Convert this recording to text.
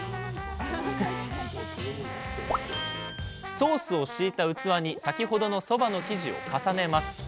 ソースを敷いた器に先ほどのそばの生地を重ねます。